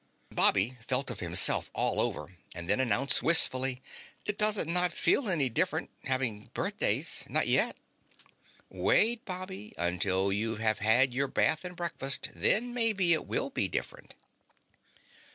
Bobby felt of himself all over and then announced wistfully: "It doesn't not feel any different, having birthdays not yet." "Wait, Bobby, until you have had your bath and breakfast, then maybe it will be different."